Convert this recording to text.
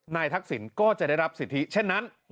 ทักษิณก็จะได้รับสิทธิเช่นนั้น